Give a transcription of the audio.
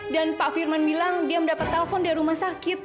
dan pak firman bilang dia mendapat telepon dari rumah sakit